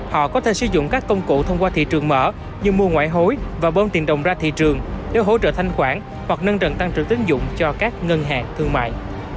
họ có thể sử dụng các công cụ thông qua thị trường mở như mua ngoại hối và bơm tiền đồng ra thị trường để hỗ trợ thanh khoản hoặc nâng trần tăng trưởng tín dụng cho các ngân hàng thương mại